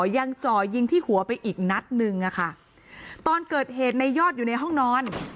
จ่อยิงที่หัวไปอีกนัดหนึ่งอะค่ะตอนเกิดเหตุในยอดอยู่ในห้องนอน